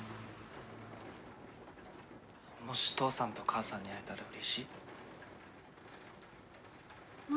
もし父さんと母さんに会えたらうれしい？何？